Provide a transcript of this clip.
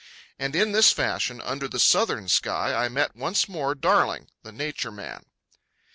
And in this fashion under the southern sky, I met once more Darling, the Nature Man.